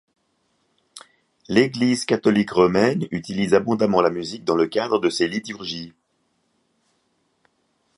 L'Église catholique romaine utilise abondamment la musique dans le cadre de ses liturgies.